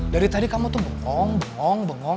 dari tadi kamu tuh bengong bengong bengong